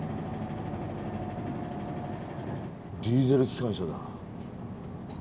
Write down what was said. ディーゼル機関車だ。